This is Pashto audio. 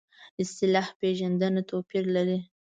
اصطلاح پېژندنې توپیر لري.